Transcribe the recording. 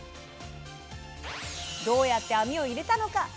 どうやって網を入れたのか？